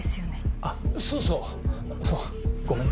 あっそうそうそうごめんね。